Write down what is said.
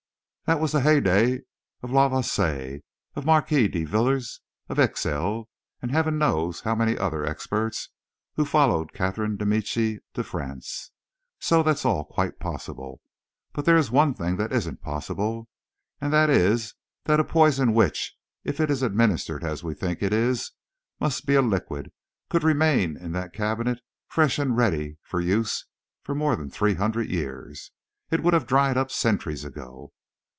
That was the heydey of La Voisin and the Marquise de Brinvilliers, of Elixi, and heaven knows how many other experts who had followed Catherine de Medici to France. So that's all quite possible. But there is one thing that isn't possible, and that is that a poison which, if it is administered as we think it is, must be a liquid, could remain in that cabinet fresh and ready for use for more than three hundred years. It would have dried up centuries ago.